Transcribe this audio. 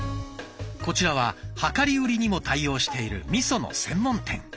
こちらは量り売りにも対応しているみその専門店。